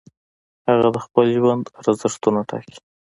هغه د خپل ژوند ارزښتونه ټاکي.